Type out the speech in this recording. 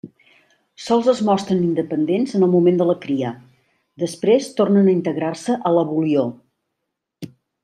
Sols es mostren independents en el moment de la cria, després tornen a integrar-se a la volior.